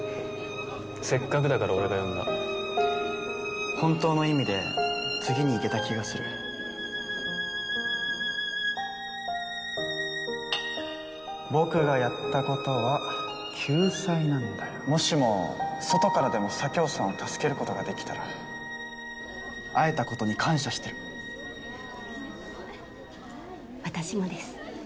せっかくだから俺が呼んだ本当の意味で次にいけた気がする僕がやったことは救済なんだもしも外からでも佐京さんを助け会えたことに感謝してる私もです